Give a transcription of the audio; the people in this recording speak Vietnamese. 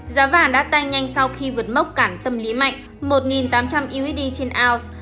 giá vàng đã tăng nhanh sau khi vượt mốc cản tâm lý mạnh một tám trăm linh usd trên ounce